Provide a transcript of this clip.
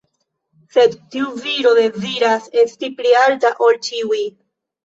Sed tiu viro deziras esti pli alta ol ĉiuj.